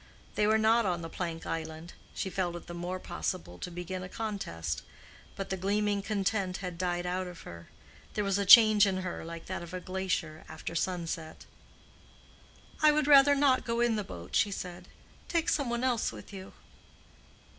They were not on the plank island; she felt it the more possible to begin a contest. But the gleaming content had died out of her. There was a change in her like that of a glacier after sunset. "I would rather not go in the boat," she said. "Take some one else with you."